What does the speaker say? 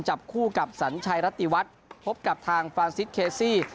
จับคู่กับสัญชัยรัตติวัฒน์พบกับทางฟรานซิสเคซี่